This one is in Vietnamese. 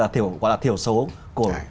thiểu số của